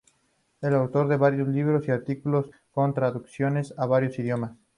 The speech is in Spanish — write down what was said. Es autor de varios libros y artículos, con traducciones a varios idiomas.